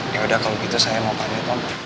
yaudah kalau begitu saya mau tanya om